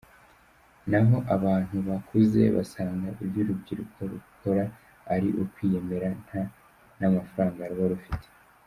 Naho abantu bakuze basanga ibyo urubyiruko rukora ari ukwiyemera nta n’amafaranga ruba rufite.